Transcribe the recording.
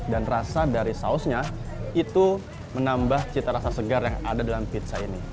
dan rasa dari sausnya itu menambah cita rasa segar yang ada dalam pizza ini